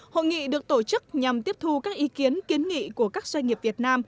hội nghị được tổ chức nhằm tiếp thu các ý kiến kiến nghị của các doanh nghiệp việt nam